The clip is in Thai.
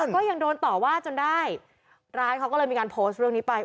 ก็ยังโดนต่อว่าจนได้ร้านเขาก็เลยมีการโพสต์เรื่องนี้ไป